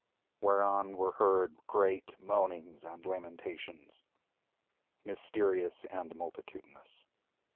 —whereon were heard great moanings and lamentations, mysterious and multitudinous.